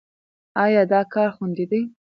ایا دا کار خوندي دی؟